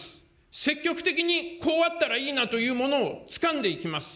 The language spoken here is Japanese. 積極的にこうあったらいいなというものをつかんでいきます。